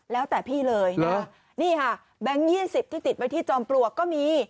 แล้วแต่พี่เลยนะนี่ค่ะแบงค์๒๐ที่ติดไว้ที่จอมปลวกก็มี